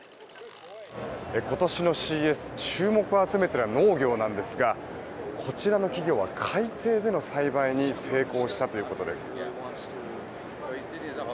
今年のＣＥＳ注目を集めているのは農業なんですがこちらの企業は海底での栽培に成功したということです。